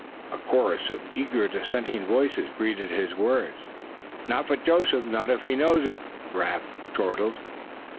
A chorus of eager dissenting voices greeted his words. "Not for Joseph, not if he knows it!" Giraffe chortled.